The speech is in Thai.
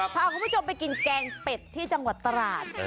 พาคุณผู้ชมไปกินแกงเป็ดที่จังหวัดตราด